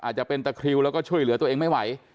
อาจจะเป็นตะคริวแล้วก็ช่วยเหลือตัวเองไม่ไหว